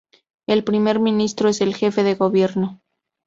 El primer ministro es el jefe de gobierno.